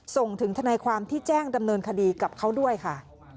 ส่งถึงทนายความที่แจ้งดำเนินคดีกับเขาด้วยค่ะ